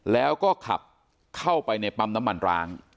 แล้วก็ขับเข้าไปในปั๊มน้ำมันร้าง